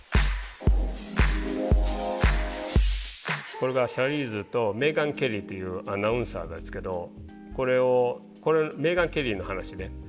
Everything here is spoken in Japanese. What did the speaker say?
これがシャーリーズとメーガン・ケリーっていうアナウンサーですけどこれをこれメーガン・ケリーの話ね。